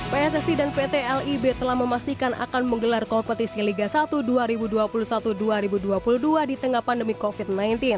pssi dan pt lib telah memastikan akan menggelar kompetisi liga satu dua ribu dua puluh satu dua ribu dua puluh dua di tengah pandemi covid sembilan belas